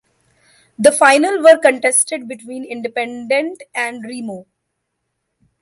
The final were contested between Independente and Remo.